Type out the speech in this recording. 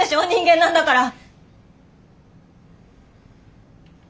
人間なんだから！